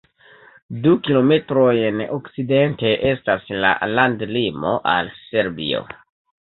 Du kilometrojn okcidente estas la landlimo al Serbio.